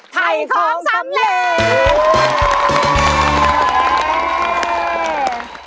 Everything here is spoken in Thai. ไถ่ของสำเร็จ